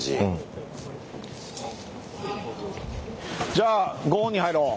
じゃあご本人入ろう。